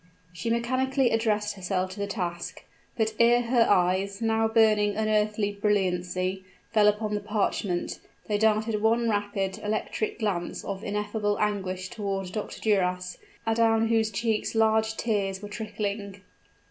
She mechanically addressed herself to the task; but ere her eyes now of burning, unearthly brilliancy fell upon the parchment, they darted one rapid, electric glance of ineffable anguish toward Dr. Duras, adown whose cheeks large tears were trickling.